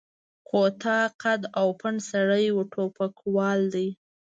کوتاه قد او پنډ سړی و، ټوپکوالو دی.